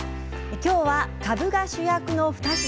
今日は、かぶが主役の２品。